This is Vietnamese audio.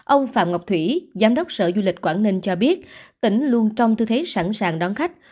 ông phạm ngọc thủy giám đốc sở du lịch quảng ninh cho biết tỉnh luôn trong tư thế sẵn sàng đón khách